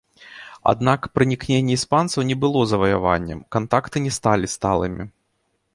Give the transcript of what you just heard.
Аднак пранікненне іспанцаў не было заваяваннем, кантакты не сталі сталымі.